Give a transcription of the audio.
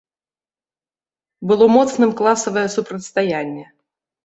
Было моцным класавае супрацьстаянне.